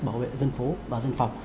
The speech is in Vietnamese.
bảo vệ dân phố và dân phòng